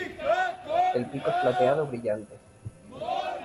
El pico es plateado brillante.